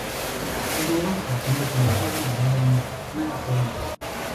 คุณรู้ว่าเขาเป็นเด็กหนุ่มที่ขยันทำงานหนัก มั่นคง